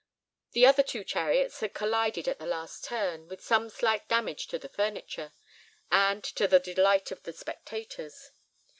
The other two chariots had collided at the last turn, with some slight damage to the furniture, and to the delight of the spectators.